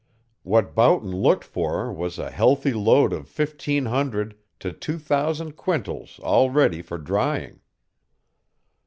What Boughton looked for was a healthy load of fifteen hundred to two thousand quintals all ready for drying.